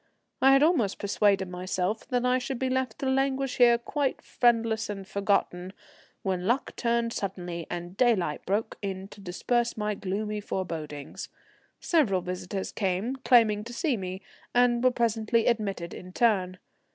I had almost persuaded myself that I should be left to languish here quite friendless and forgotten, when the luck turned suddenly, and daylight broke in to disperse my gloomy forebodings. Several visitors came, claiming to see me, and were presently admitted in turn.